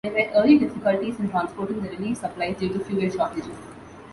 There were early difficulties in transporting the relief supplies due to fuel shortages.